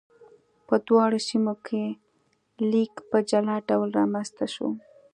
په دواړو سیمو کې لیک په جلا ډول رامنځته شو.